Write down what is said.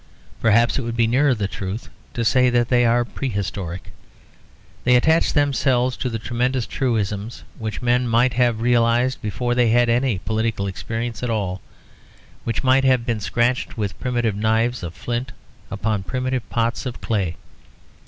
Perhaps it would be near the truth to say that they are prehistoric. They attach themselves to the tremendous truisms which men might have realised before they had any political experience at all; which might have been scratched with primitive knives of flint upon primitive pots of clay.